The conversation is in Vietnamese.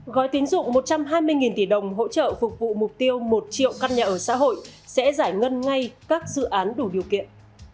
gói tín dụng một trăm hai mươi tỷ đồng hỗ trợ phục vụ mục tiêu một triệu căn nhà ở xã hội sẽ giải ngân ngay các dự án đủ điều kiện